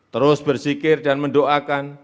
terus bersikir dan mendoakan